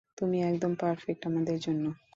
তুমি একদম পারফেক্ট আমাদের জন্য।